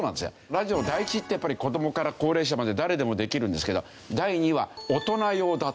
ラジオ第１ってやっぱり子供から高齢者まで誰でもできるんですけど第２は大人用だった。